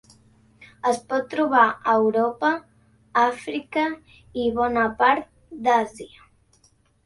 Es pot trobar a Europa, Àfrica i bona part d'Àsia.